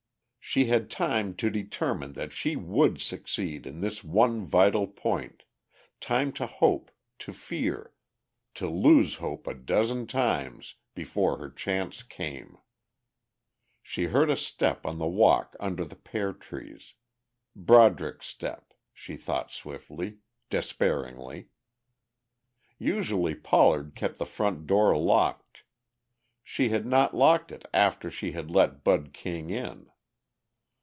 She had time to determine that she would succeed in this one vital point, time to hope, to fear, to lose hope a dozen times, before her chance came. She heard a step on the walk under the pear trees, Broderick's step, she thought swiftly, despairingly. Usually Pollard kept the front door locked; she had not locked it after she had let Bud King in.